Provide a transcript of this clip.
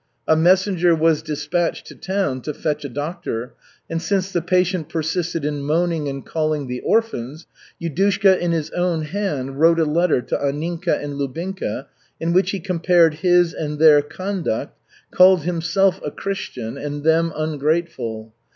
A messenger was dispatched to town to fetch a doctor, and since the patient persisted in moaning and calling the orphans, Yudushka in his own hand wrote a letter to Anninka and Lubinka in which he compared his and their conduct, called himself a Christian and them ungrateful.